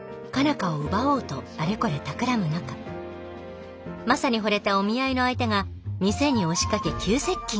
花を奪おうとあれこれたくらむ中マサにほれたお見合いの相手が店に押しかけ急接近。